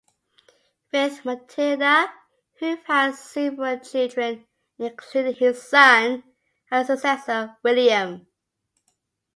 With Matilda, Hugh had several children, including his son and successor William.